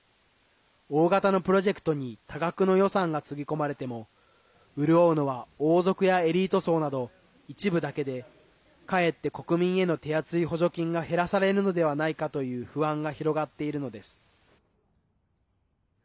大型のプロジェクトに多額の予算がつぎ込まれても潤うのは王族やエリート層など一部だけでかえって国民への手厚い補助金が減らされるのではないかという不安が広がっているのです。